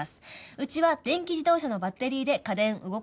うちは電気自動車のバッテリーで家電動かしています。